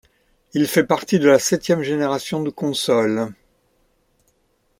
Il fait partie de la septième génération de consoles.